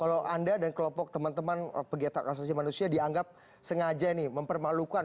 kalau anda dan kelompok teman teman pegiatan rasasi manusia dianggap sengaja mempermalukan